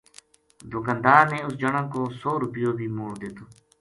دکاندار نے اُس جنا کو سو رُپیو بھی موڑ دِیتو